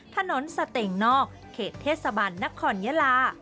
ถนนเสต็งนอกเขตเทศบาลนักข่อนยาลา